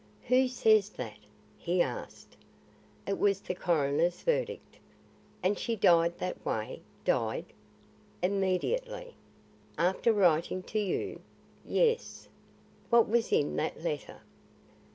"Who says that?" he asked. "It was the coroner's verdict." "And she died that way died?" "Immediately." "After writing to you?" "Yes." "What was in that letter?"